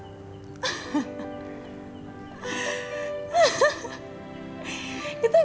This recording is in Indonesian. itu jelek banget bimo